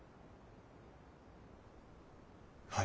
はい。